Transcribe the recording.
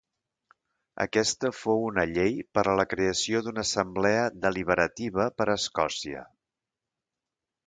Aquesta fou una llei per a la creació d'una assemblea deliberativa per Escòcia.